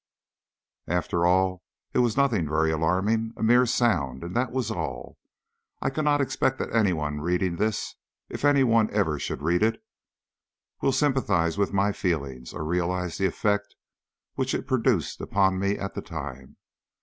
After all it was nothing very alarming a mere sound, and that was all. I cannot expect that any one reading this, if any one ever should read it, will sympathise with my feelings, or realise the effect which it produced upon me at the time.